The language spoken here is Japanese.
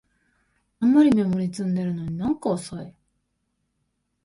たんまりメモリ積んでるのになんか遅い